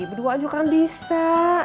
berdua aja kan bisa